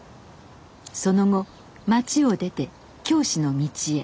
その後町を出て教師の道へ。